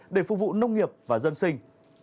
để phục vụ nông nghiệp và dân sinh